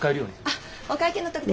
あっお会計の時で。